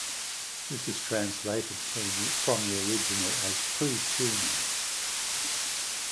This is translated from the original as "pre-tuning".